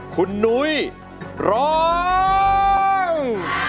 คุณนุ้ยร้อง